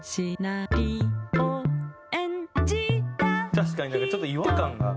確かになんかちょっと違和感が。